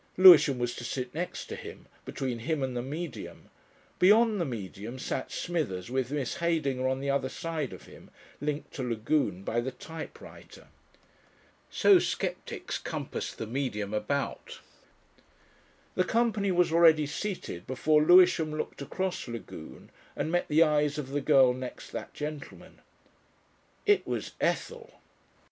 Lewisham was to sit next to him, between him and the Medium; beyond the Medium sat Smithers with Miss Heydinger on the other side of him, linked to Lagune by the typewriter. So sceptics compassed the Medium about. The company was already seated before Lewisham looked across Lagune and met the eyes of the girl next that gentleman. It was Ethel!